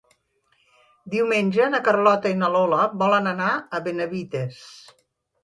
Diumenge na Carlota i na Lola volen anar a Benavites.